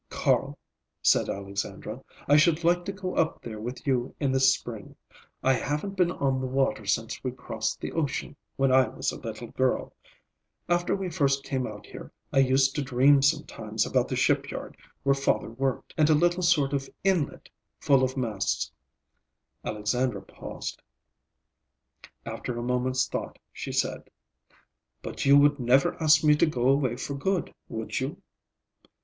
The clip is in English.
"Carl," said Alexandra, "I should like to go up there with you in the spring. I haven't been on the water since we crossed the ocean, when I was a little girl. After we first came out here I used to dream sometimes about the shipyard where father worked, and a little sort of inlet, full of masts." Alexandra paused. After a moment's thought she said, "But you would never ask me to go away for good, would you?"